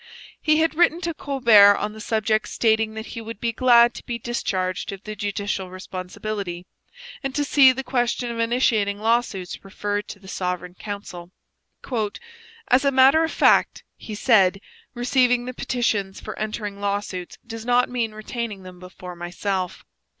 He had written to Colbert on the subject stating that he would be glad to be discharged of the judicial responsibility, and to see the question of initiating lawsuits referred to the Sovereign Council. As a matter of fact [he said], receiving the petitions for entering lawsuits does not mean retaining them before myself.